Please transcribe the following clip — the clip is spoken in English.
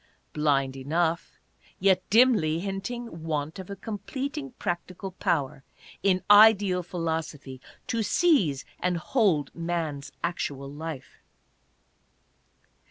Blind enough, yet dimly hinting want of a completing practical power in Ideal Philosophy to seize and hold man's actual life.